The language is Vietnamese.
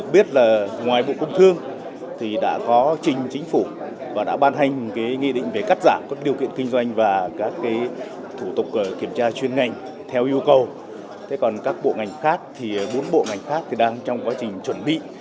bốn bộ ngành khác đang trong quá trình chuẩn bị